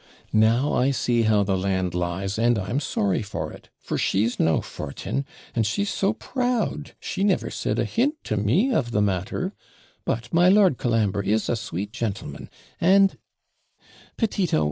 Now, I see how the land lies, and I'm sorry for it; for she's no FORTIN; and she's so proud, she never said a hint to me of the matter; but my Lord Colambre is a sweet gentleman; and ' 'Petito!